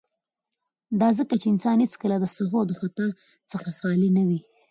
، دا ځکه چې انسان هيڅکله د سهو او خطا څخه خالي نه وي.